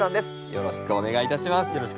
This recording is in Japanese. よろしくお願いします。